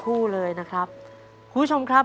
คุณยายแจ้วเลือกตอบจังหวัดนครราชสีมานะครับ